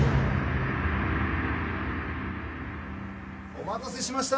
お待たせしました！